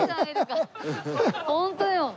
ホントよ。